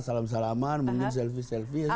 salam salaman mungkin selfie selfie